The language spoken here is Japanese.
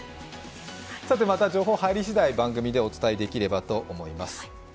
また情報が入り次第、番組でお伝えできればと思います。